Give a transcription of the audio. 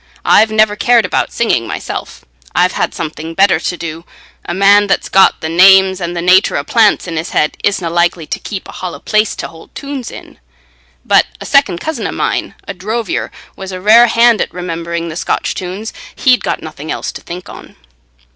I've never cared about singing myself; I've had something better to do. A man that's got the names and the natur o' plants in's head isna likely to keep a hollow place t' hold tunes in. But a second cousin o' mine, a drovier, was a rare hand at remembering the Scotch tunes. He'd got nothing else to think on."